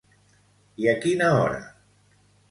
I a quina hora?